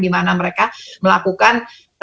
dimana mereka melakukan